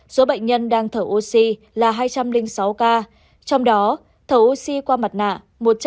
ba số bệnh nhân đang thở oxy là hai trăm linh sáu ca trong đó thở oxy có thể được điều trị khỏi chín ba trăm bảy mươi ba hai trăm chín mươi bốn ca